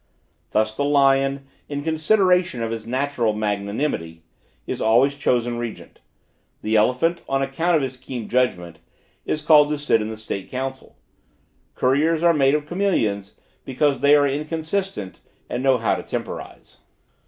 Thus, the lion, in consideration of his natural magnanimity, is always chosen regent. The elephant, on account of his keen judgment, is called to sit in the State council. Courtiers are made of chameleons, because they are inconstant and know how to temporize.